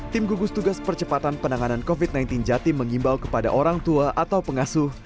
tim gugus tugas percepatan penanganan covid sembilan belas jatim mengimbau kepada orang tua atau pengasuh